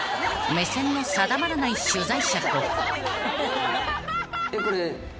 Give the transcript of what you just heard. ［目線の定まらない取材者と］